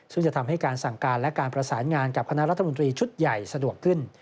ซึ่งจะทำให้การสั่งการและการประสานงานกับคณะรัฐมนตรีชุดใหญ่สะดวกขึ้น